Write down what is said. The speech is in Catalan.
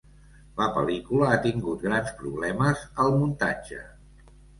La pel·lícula ha tingut grans problemes al muntatge.